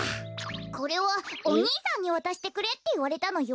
これはおにいさんにわたしてくれっていわれたのよ。